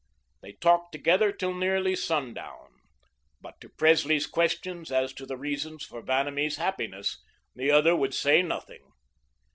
They talked together till nearly sundown, but to Presley's questions as to the reasons for Vanamee's happiness, the other would say nothing.